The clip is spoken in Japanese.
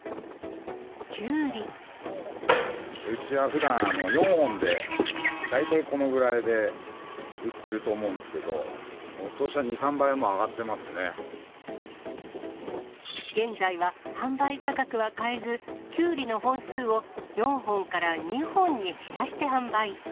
うちはふだん、４本で大体このぐらいで売ってると思うんですけど、ことしは２、現在は販売価格は変えず、キュウリの本数を４本から２本に減らして販売。